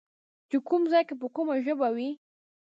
چې کوم ځای کې به کومه ژبه وي